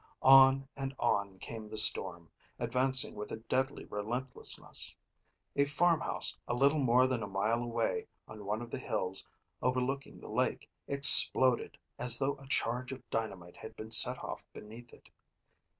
On and on came the storm, advancing with a deadly relentlessness. A farm house a little more than a mile away on one of the hills overlooking the lake exploded as though a charge of dynamite had been set off beneath it.